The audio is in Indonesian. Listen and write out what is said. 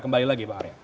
kembali lagi pak arya